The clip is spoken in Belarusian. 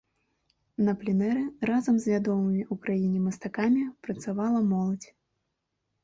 На пленэры разам з вядомымі ў краіне мастакамі працавала моладзь.